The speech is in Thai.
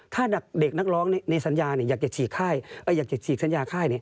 ถ้าเด็กนักร้องในสัญญาอยากจะฉีกสัญญาค่าย